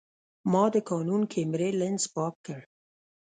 ما د کانون کیمرې لینز پاک کړ.